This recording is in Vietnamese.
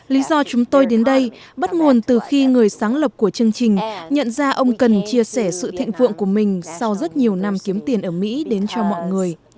lý do chúng tôi đến đây bắt nguồn từ khi người sáng lập của chương trình nhận ra ông cần chia sẻ sự thịnh vượng của mình sau rất nhiều năm kiếm tiền ở mỹ đến cho mọi người